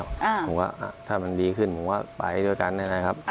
ผมว่าถ้ามันดีขึ้นผมว่าไปด้วยกันได้ไหมครับ